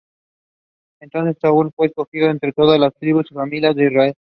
Entonces Saúl fue escogido entre todas las tribus y familias de Israel.